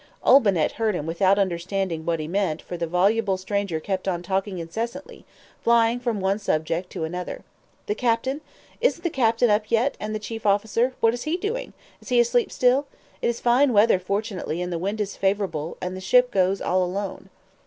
Olbinett heard him without understanding what he meant for the voluble stranger kept on talking incessantly, flying from one subject to another. "The captain? Isn't the captain up yet? And the chief officer? What is he doing? Is he asleep still? It is fine weather, fortunately, and the wind is favorable, and the ship goes all alone."